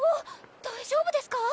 大丈夫ですか？